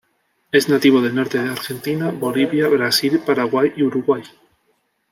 Es nativo del norte de Argentina, Bolivia, Brasil, Paraguay y Uruguay.